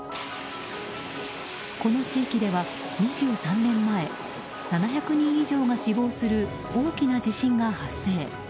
この地域では２３年前７００人以上が死亡する大きな地震が発生。